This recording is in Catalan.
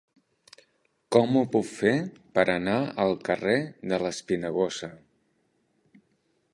Com ho puc fer per anar al carrer de l'Espinagosa?